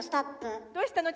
どうしたの？